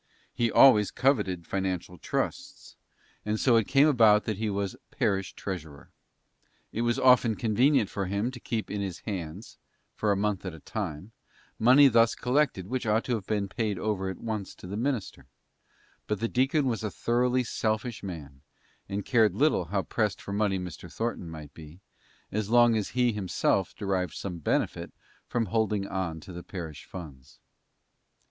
He always coveted financial trusts, and so it came about that he was parish treasurer. It was often convenient for him to keep in his hands, for a month at a time, money thus collected which ought to have been paid over at once to the minister, but the deacon was a thoroughly selfish man, and cared little how pressed for money Mr. Thornton might be, as long as he himself derived some benefit from holding on to the parish funds.